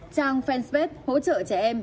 trang fanpage hỗ trợ trẻ em